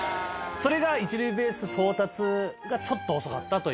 「それが一塁ベース到達がちょっと遅かったという」